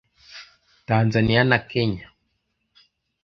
Tanzania na Kenya